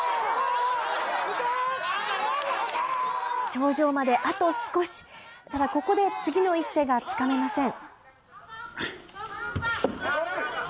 頂上まであと少し、ただここで次の一手がつかめません。